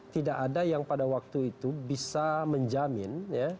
tidak ada yang pada waktu itu bisa menjamin